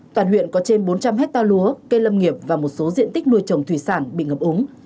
toàn huyện có trên bốn trăm linh hectare lúa cây lâm nghiệp và một số diện tích nuôi trồng thủy sản bị ngập úng